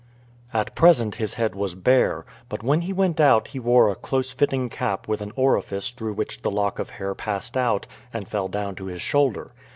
At present his head was bare, but when he went out he wore a close fitting cap with an orifice through which the lock of hair passed out and fell down to his shoulder.